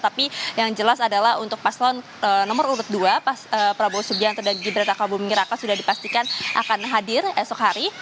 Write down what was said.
tapi yang jelas adalah untuk paslon nomor urut dua prabowo subianto dan gibran raka buming raka sudah dipastikan akan hadir esok hari